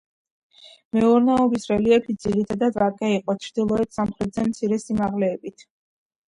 მეურნეობის რელიეფი ძირითადად ვაკე იყო, ჩრდილოეთ მხარეზე მცირე სიმაღლეებით.